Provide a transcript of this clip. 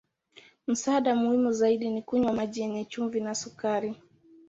Msaada muhimu zaidi ni kunywa maji yenye chumvi na sukari.